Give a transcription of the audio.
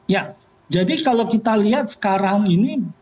ya jadi kalau kita lihat sekarang ini